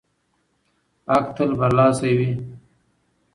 حق تل برلاسی وي.